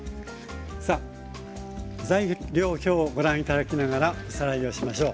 さあ材料表をご覧頂きながらおさらいをしましょう。